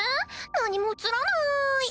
何も映らない。